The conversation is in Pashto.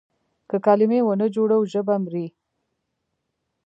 که کلمې ونه جوړو ژبه مري.